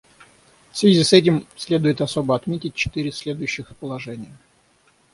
В связи с этим следует особо отметить четыре следующих положения.